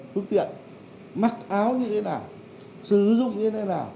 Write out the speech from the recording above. phương tiện mặc áo như thế nào sử dụng như thế nào